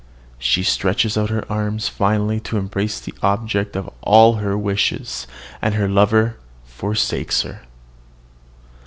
She stretches out her arms finally to embrace the object of all her wishes and her lover forsakes her.